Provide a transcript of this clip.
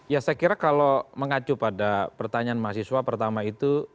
ya saya kira kalau mengacu pada pertanyaan mahasiswa pertama itu